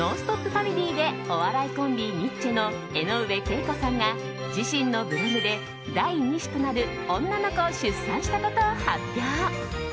ファミリーでお笑いコンビ、ニッチェの江上敬子さんが自身のブログで第２子となる女の子を出産したことを発表。